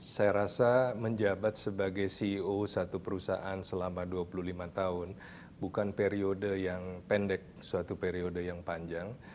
saya rasa menjabat sebagai ceo satu perusahaan selama dua puluh lima tahun bukan periode yang pendek suatu periode yang panjang